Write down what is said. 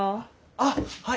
あっはい！